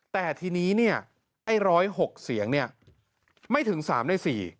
แต่ทีนี้๑๐๖เสียงไม่ถึง๓ใน๔